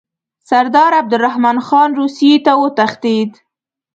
سردار عبدالرحمن خان روسیې ته وتښتېد.